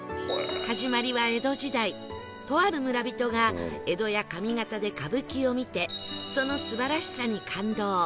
始まりは江戸時代とある村人が江戸や上方で歌舞伎を見てその素晴らしさに感動